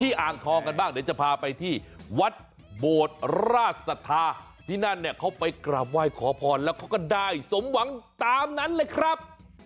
อ่างทองกันบ้างเดี๋ยวจะพาไปที่วัดโบดราชศรัทธาที่นั่นเนี่ยเขาไปกราบไหว้ขอพรแล้วเขาก็ได้สมหวังตามนั้นเลยครับ